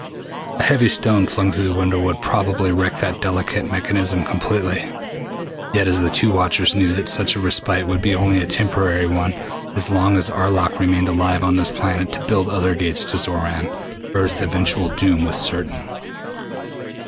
A heavy stone flung through the window would probably wreck that delicate mechanism completely, yet the two watchers knew that such a respite would be only a temporary one. As long as Arlok remained alive on this planet to build other gates to Xoran, Earth's eventual doom was certain.